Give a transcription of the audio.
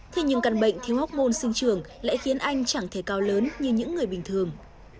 thế nhưng căn bệnh thiếu hóc môn sinh trường lại khiến anh chẳng thể cao lớn như những người bình thường